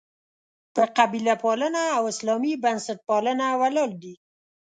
په «قبیله پالنه» او «اسلامي بنسټپالنه» ولاړ دي.